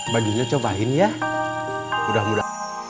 bagi dia coba ini ya